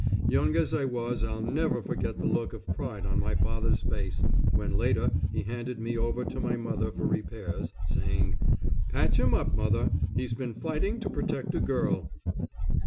Young as I was I'll never forget the look of pride on my father's face, when later he handed me over to my mother for repairs, saying, "Patch him up, Mother, he's been fighting to protect a girl."